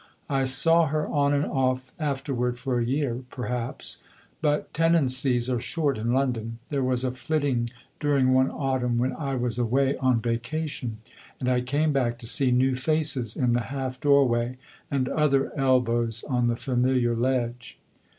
I saw her on and off afterward for a year, perhaps; but tenancies are short in London. There was a flitting during one autumn when I was away on vacation, and I came back to see new faces in the half doorway and other elbows on the familiar ledge.